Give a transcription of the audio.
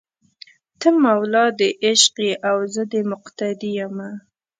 ته مولا دې عشق یې او زه دې مقتدي یمه